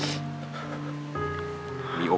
อยากเรียน